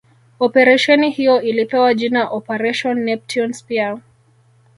Operesheni hiyo ilipewa jina Operation Neptune Spear